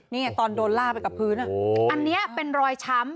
นี่ตอนโดนล่าไปกับพื้นอันนี้เป็นรอยช้ำ